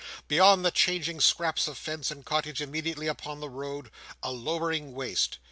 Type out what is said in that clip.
Beyond the changing scraps of fence and cottage immediately upon the road, a lowering waste.